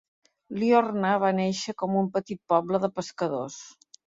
Liorna va néixer com un petit poble de pescadors.